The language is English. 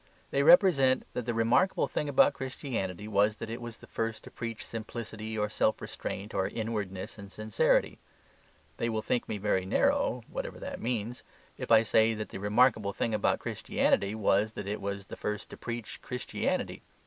They represent that the remarkable thing about Christianity was that it was the first to preach simplicity or self restraint, or inwardness and sincerity. They will think me very narrow (whatever that means) if I say that the remarkable thing about Christianity was that it was the first to preach Christianity.